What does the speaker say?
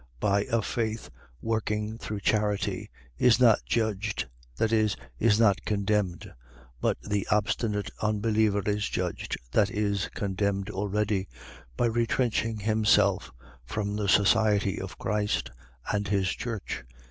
by a faith working through charity, is not judged, that is, is not condemned; but the obstinate unbeliever is judged, that is, condemned already, by retrenching himself from the society of Christ and his church.